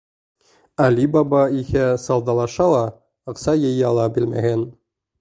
Али Баба иһә сауҙалаша ла, аҡса йыя ла белмәгән.